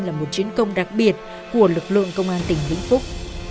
là một chiến công đặc biệt của lực lượng công an tỉnh vĩnh phúc